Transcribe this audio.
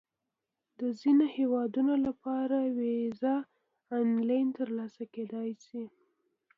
د ځینو هیوادونو لپاره ویزه آنلاین ترلاسه کېدای شي.